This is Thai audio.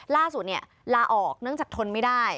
ล่าสุดลาออกเนื่องจากทนไม่ได้